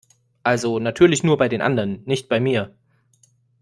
Also natürlich nur bei den anderen, nicht bei mir!